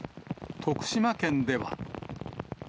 徳島県では。